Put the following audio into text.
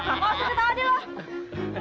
kak makasih tawadi loh